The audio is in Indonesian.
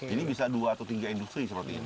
ini bisa dua atau tiga industri seperti ini